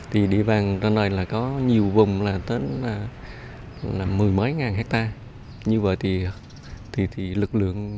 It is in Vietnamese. thì địa bàn ra này là có nhiều vùng là đến mười mấy ngàn hectare như vậy thì lực lượng